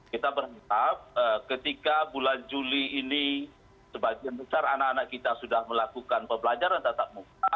kita berharap ketika bulan juli ini sebagian besar anak anak kita sudah melakukan pembelajaran tatap muka